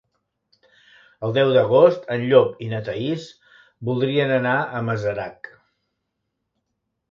El deu d'agost en Llop i na Thaís voldrien anar a Masarac.